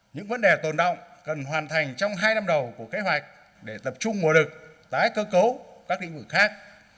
những vấn đề tồn động cần hoàn thành trong hai năm đầu của kế hoạch để tập trung nguồn lực tái cơ cấu các lĩnh vực khác